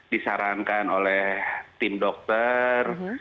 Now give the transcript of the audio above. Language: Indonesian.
disarankan oleh tim dokter